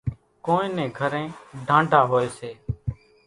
ڪونئين نين گھرين ڍانڍا هوئيَ سي۔